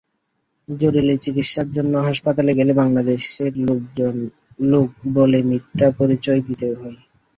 জরুরি চিকিৎসার জন্য হাসপাতালে গেলে বাংলাদেশের লোক বলে মিথ্যা পরিচয় দিতে হয়।